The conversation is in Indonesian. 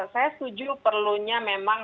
saya setuju perlunya memang